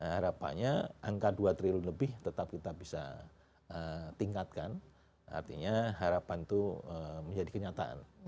harapannya angka dua triliun lebih tetap kita bisa tingkatkan artinya harapan itu menjadi kenyataan